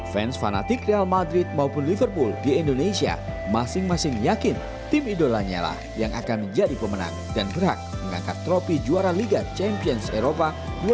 fans fanatik real madrid maupun liverpool di indonesia masing masing yakin tim idolanya lah yang akan menjadi pemenang dan gerak mengangkat tropi juara liga champions eropa dua ribu dua puluh